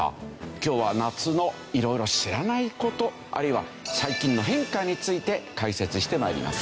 今日は夏の色々知らない事あるいは最近の変化について解説して参ります。